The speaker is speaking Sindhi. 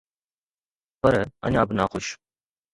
پر اڃا به ناخوش.